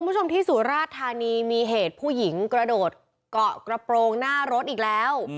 คุณผู้ชมที่สุราชธานีมีเหตุผู้หญิงกระโดดเกาะกระโปรงหน้ารถอีกแล้ว